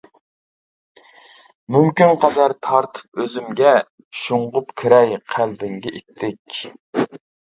مۇمكىن قەدەر تارتىپ ئۆزۈمگە، شۇڭغۇپ كىرەي قەلبىڭگە ئىتتىك.